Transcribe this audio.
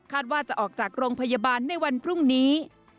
ว่าจะออกจากโรงพยาบาลในวันพรุ่งนี้